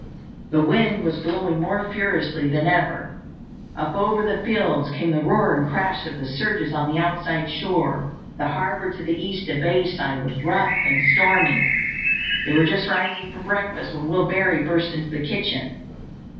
The wind was blowing more furiously than ever. Up over the fields came the roar and crash of the surges on the outside shore. The Harbour to the east of Bayside was rough and stormy. They were just rising from breakfast when Will Barrie burst into the kitchen.